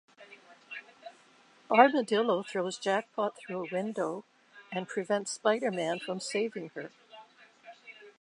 Armadillo throws Jackpot through a window and prevents Spider Man from saving her.